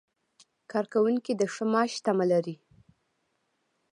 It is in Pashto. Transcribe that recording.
کارکوونکي د ښه معاش تمه لري.